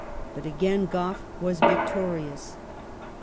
But again Gough was victorious.